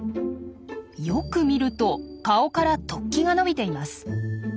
よく見ると顔から突起が伸びています。